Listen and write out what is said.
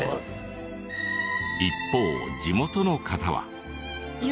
一方地元の方は。